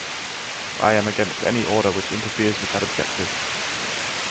I am against any order which interferes with that objective.